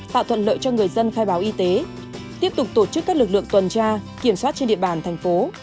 tạo thuận lợi cho người dân khai báo y tế tiếp tục tổ chức các lực lượng tuần tra kiểm soát trên địa bàn thành phố